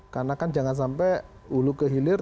karena kan jangan sampai ulu kehilir